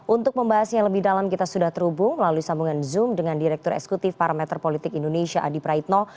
untuk membahasnya lebih dalam kita sudah terhubung melalui sambungan zoom dengan direktur eksekutif parameter politik indonesia adi praitno